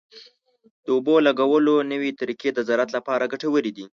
د اوبو لګولو نوې طریقې د زراعت لپاره ګټورې دي.